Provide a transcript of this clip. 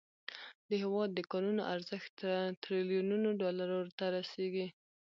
د هیواد د کانونو ارزښت تریلیونونو ډالرو ته رسیږي.